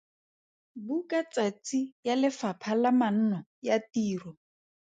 Bukatsatsi ya Lefapha la Manno ya Tiro.